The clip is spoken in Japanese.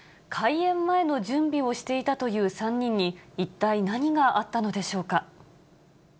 開園前の準備をしていたという３人に、一体何があったのでしょうか。